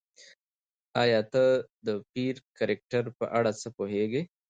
ایا ته د پییر د کرکټر په اړه څه پوهېږې؟